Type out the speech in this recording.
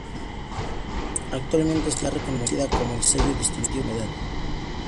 Actualmente está reconocida como el sello distintivo de la enfermedad.